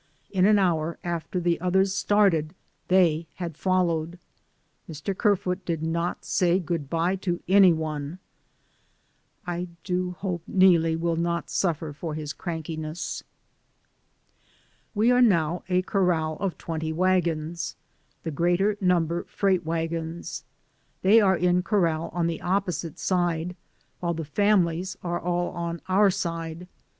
In an hour after the others started they had followed. Mr. Kerfoot did not say good bye to any one. I do hope Neelie will not suffer for his crankiness. We are now a corral of twenty wagons, the greater number freight wagons ; they are in corral on the opposite side, while the fami lies are all on our side.